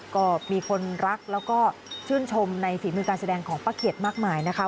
ก็มีคนรักแล้วก็ชื่นชมในฝีมือการแสดงของป้าเขียดมากมายนะคะ